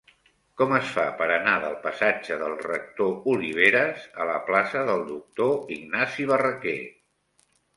Com es fa per anar de la passatge del Rector Oliveras a la plaça del Doctor Ignasi Barraquer?